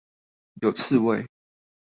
有刺蝟